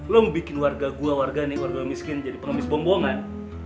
lo mau bikin warga gue warga nih warga miskin jadi pengemis bombongan